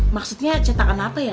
maksudnya cetakan apa ya